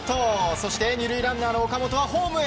そして２塁ランナーの岡本はホームへ。